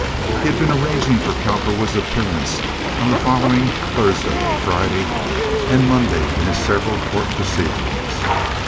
He had been arranging for Cowperwood's appearance on the following Thursday, Friday, and Monday in his several court proceedings.